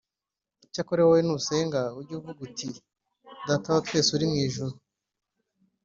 Icyakora wowe nusenga ujye uvuga uti data wa twese uri mmu ijuru